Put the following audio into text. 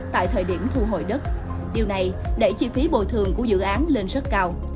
tại thời điểm thu hồi đất điều này đẩy chi phí bồi thường của dự án lên rất cao